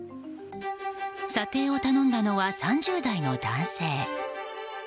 査定を頼んだのは３０代の男性。